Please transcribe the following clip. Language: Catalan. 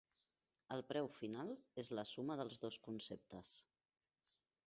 El preu final és la suma dels dos conceptes.